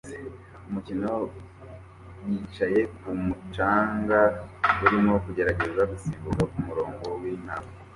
Umukino wa yicaye kumu canga urimo kugerageza gusimbuka kumurongo wintambwe